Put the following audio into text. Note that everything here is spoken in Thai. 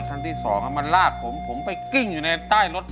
คันที่สองมันลากผมผมไปกิ้งอยู่ในใต้รถ